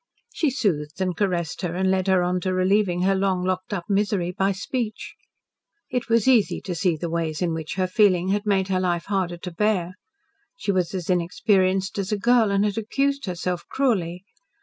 She soothed and caressed her and led her on to relieving her long locked up misery by speech. It was easy to see the ways in which her feeling had made her life harder to bear. She was as inexperienced as a girl, and had accused herself cruelly.